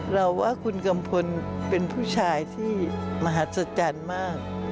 เราว่าคุณกำพลเป็นผู้ชายที่มหาศักดิ์จันทร์มาก